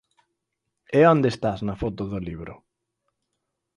E onde estás na foto do libro?